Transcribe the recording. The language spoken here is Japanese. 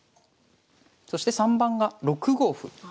そして３番が６五歩。